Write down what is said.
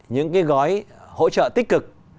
những cái gói hỗ trợ tích cực